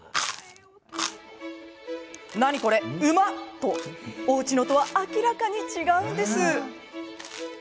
と、おうちのとは明らかに違うんです。